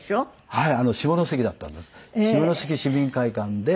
はい。